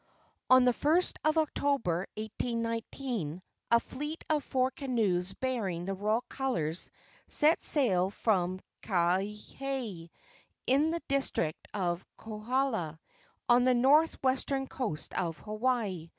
On the 1st of October, 1819, a fleet of four canoes bearing the royal colors set sail from Kawaihae, in the district of Kohala, on the northwestern coast of Hawaii.